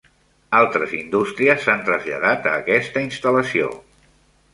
Altres indústries s'han traslladat a aquesta instal·lació.